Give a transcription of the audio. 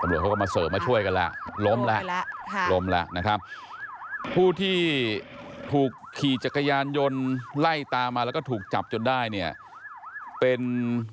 ตำรวจเขาก็มาเสิร์ฟมาช่วยกันละล้มละพูดที่ถูกขี่จักรยานยนต์ไล่ตามาแล้วก็ถูกจับจนได้เนี่ยเป็น